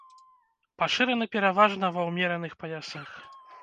Пашыраны пераважна ва ўмераных паясах.